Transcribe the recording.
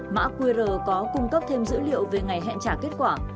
mã qr có cung cấp thêm dữ liệu về ngày hẹn trả kết quả